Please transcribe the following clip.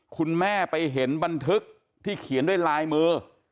คุณแม่ไปเห็นบันทึกที่เขียนด้วยลายมือ